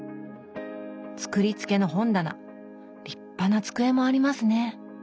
作りつけの本棚立派な机もありますね